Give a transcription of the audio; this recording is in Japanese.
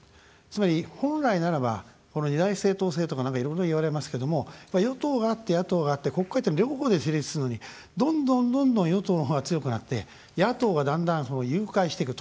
つまり、本来ならば二大政党制とかなんかいろいろ言われますけども与党があって、野党があって国会っていうのは両方で成立するのにどんどん与党のほうが強くなって野党がだんだん、融解していく。